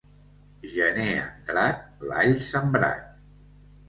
Gener entrat, l'all sembrat.